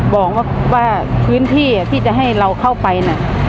บอกว่าพื้นที่ที่จะให้เราเข้าไปน่ะ